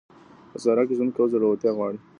په صحرا کي ژوند کول زړورتيا غواړي.